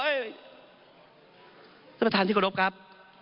ท่านประธานทิกรมครับ